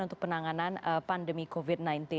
untuk penanganan pandemi covid sembilan belas